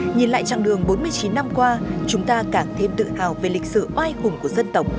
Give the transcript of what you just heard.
nhìn lại chặng đường bốn mươi chín năm qua chúng ta càng thêm tự hào về lịch sử oai khủng của dân tộc